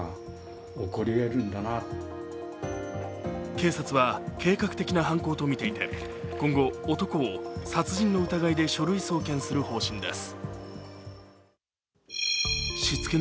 警察は、計画的な犯行とみていて今後、男を殺人の疑いで書類送検する方針です。